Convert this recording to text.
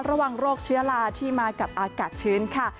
โรคเชื้อลาที่มากับอากาศชื้นค่ะ